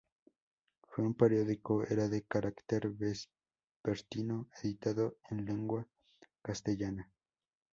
Fue un periódico era de carácter vespertino, editado en lengua castellana.